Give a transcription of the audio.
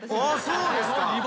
そうですか。